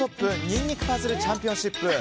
にんにくパズルチャンピオンシップ。